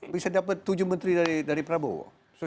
bisa dapat tujuh menteri dari prabowo